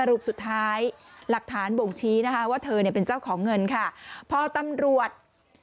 ว่าเธอเนี่ยเป็นเจ้าของเงินค่ะพอตำรวจ